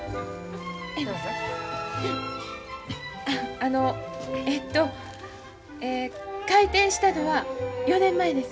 あのえっとえ開店したのは４年前です。